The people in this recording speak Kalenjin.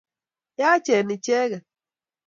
Yaachen icheget.